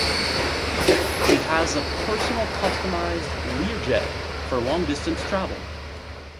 He has a personal customized Lear jet for long-distance travel.